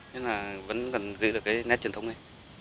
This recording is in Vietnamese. nên là vẫn cần giữ được cái nét truyền thống này